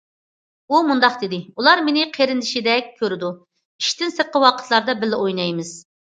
ئۇ مۇنداق دېدى: ئۇلار مېنى قېرىندىشىدەك كۆرىدۇ، ئىشتىن سىرتقى ۋاقىتلاردا بىللە ئوينايمىز.